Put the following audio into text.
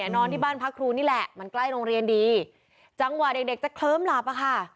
นอนที่บ้านพักครูนี่แหละมันใกล้โรงเรียนดีจังหวะเด็กเด็กจะเคลิ้มหลับอะค่ะ